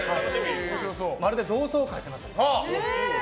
まるで同窓会となっております。